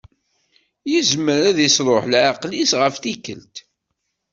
Yezmer ad isruḥ leɛqel-is ɣef tikkelt.